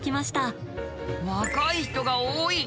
若い人が多い。